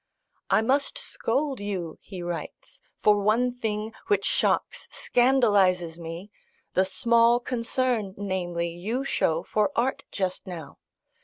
I must scold you (he writes) for one thing, which shocks, scandalises me, the small concern, namely, you show for art just now.